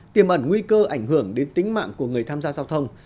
tiềm ẩn nguy cơ ảnh hưởng đến tính mạng của người tham gia giao thông